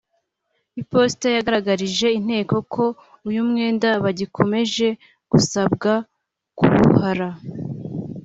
Iposita yagaragarije Inteko ko uyu mwenda bagikomeje gusabwa kuwuhara